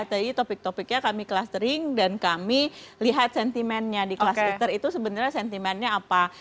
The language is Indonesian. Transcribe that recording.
tadi topik topiknya kami clustering dan kami lihat sentimennya di kelas liter itu sebenarnya sentimennya apa